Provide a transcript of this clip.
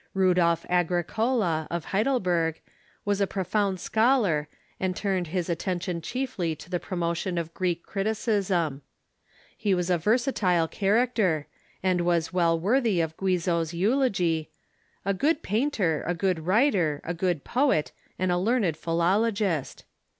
Rudolf Agricola, of Heidelberg, was a jjrofound scholar, and turned his attention chiefly to the promotion of Greek criti cism. He was a versatile character, and was well worthy of Guizot's eulogy: "A good painter, a good Avriter, a good poet, and a learned philologist."